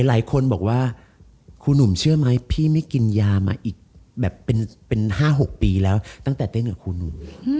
หลายคนบอกว่าครูหนุ่มเชื่อไหมพี่ไม่กินยามาอีกแบบเป็น๕๖ปีแล้วตั้งแต่เต้นกับครูหนุ่ม